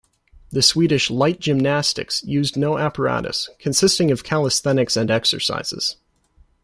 The Swedish "light gymnastics" used no apparatus, consisting of calisthenics and exercises.